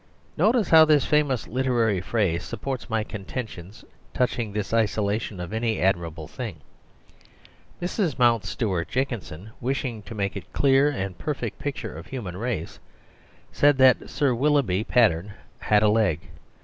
Notice how this famous literary phrase supports my contention touching this isolation of any admirable thing. Mrs. Mountstuart Jenkinson, wishing to make a clear and perfect picture of human grace, said that Sir Willoughby Patterne had a leg.